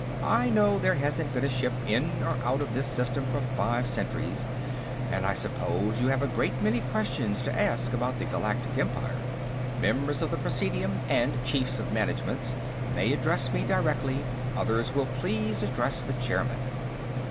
I know, there hasn't been a ship in or out of this system for five centuries, and I suppose you have a great many questions to ask about the Galactic Empire. Members of the Presidium and Chiefs of Managements may address me directly; others will please address the chairman."